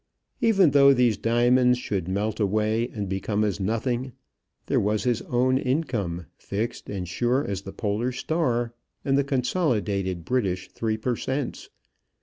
Even though these diamonds should melt away, and become as nothing, there was his own income, fixed and sure as the polar star, in the consolidated British three per cents.